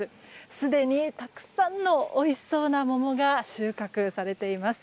すでに、たくさんのおいしそうな桃が収穫されています。